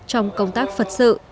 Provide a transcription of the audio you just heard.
trong công tác phật sự